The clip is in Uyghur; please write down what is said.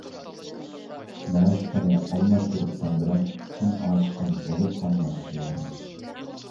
مەشۇقىنى ئالماشتۇرۇپ سەن بىلەن، چىن ئاشىقىڭ بولۇپ قانماي سۆيەرمىش.